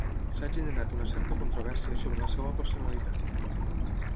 S'ha generat una certa controvèrsia sobre la seva personalitat.